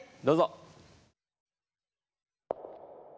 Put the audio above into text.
どうぞ。